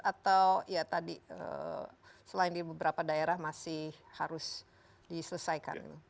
atau ya tadi selain di beberapa daerah masih harus diselesaikan